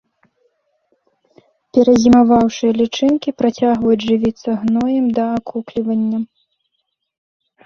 Перазімаваўшыя лічынкі працягваюць жывіцца гноем да акуклівання.